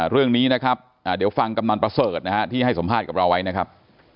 เรื่องนี้นะครับเดี๋ยวฟังกำนันประเสริฐนะฮะที่ให้สัมภาษณ์กับเราไว้นะครับ